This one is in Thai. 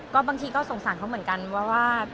ก็บางทีก็สงสารเขาเหมือนกันว่า